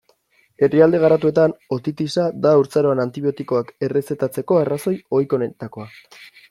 Herrialde garatuetan, otitisa da haurtzaroan antibiotikoak errezetatzeko arrazoi ohikoenetakoa.